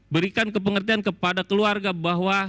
berikan kepengertian kepada keluarga bahwa